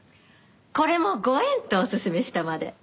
これもご縁とおすすめしたまで。